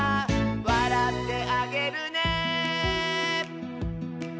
「わらってあげるね」